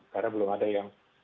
karena belum ada yang